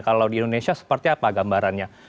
kalau di indonesia seperti apa gambarannya